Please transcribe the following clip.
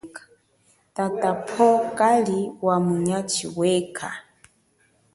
Tatapowo kali wa munyatshi weka.